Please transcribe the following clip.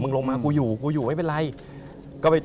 มึงลงมาคุณอยู่ไม่เป็นไร